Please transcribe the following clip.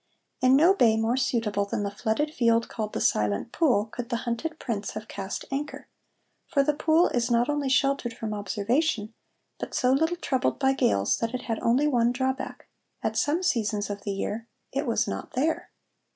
In no bay more suitable than the flooded field called the Silent Pool could the hunted prince have cast anchor, for the Pool is not only sheltered from observation, but so little troubled by gales that it had only one drawback: at some seasons of the year it was not there.